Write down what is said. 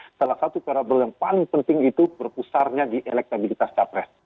nah salah satu variable yang paling penting itu berpusarnya di elektabilitas capres